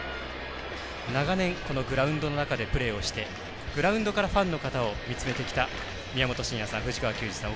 長年、このグラウンドの中でプレーをしてグラウンドからファンの方を見つめてきた宮本慎也さん、藤川球児さん